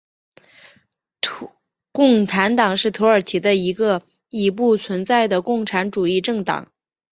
共产党是土耳其的一个已不存在的共产主义政党。